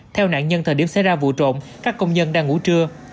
theo nạn nhân thời điểm xảy ra vụ trộm các công nhân đang ngủ trưa